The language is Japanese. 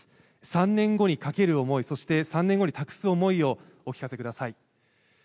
３年後にかける思いそして、３年後に託す思いをお聞かせください。